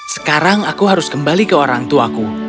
sekarang aku harus kembali ke orang tuaku